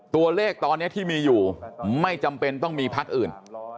ตัวเลขตอนนี้ที่มีอยู่ไม่จำเป็นต้องมีพักอื่น